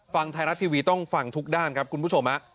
ฟังไทยรัฐทีวีต้องฟังทุกด้านครับคุณผู้ชม